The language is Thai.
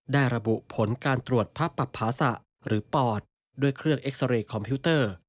ระบุผลการตรวจพระปับภาษะหรือปอดด้วยเครื่องเอ็กซาเรย์คอมพิวเตอร์